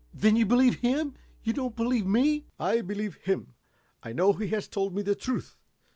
"Then you believe him you do not believe me?" "I believe him. I know he has told me the truth.